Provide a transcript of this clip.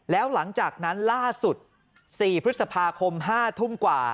แล้วหลังจากนั้นล่าสุด๔พฤษภาคม๕ทุ่มกว่า